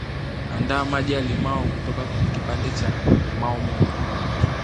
andaa Maji ya limao kutoka kwenye Kipande cha limao moja